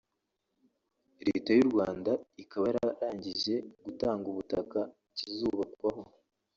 Leta y’u Rwanda ikaba yararangije gutanga ubutaka kizubakwaho